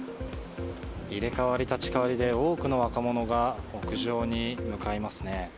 入れ代わり立ち代わりで多くの若者が屋上に向かいますね。